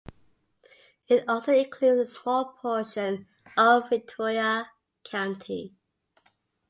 It also includes a small portion of Ventura County.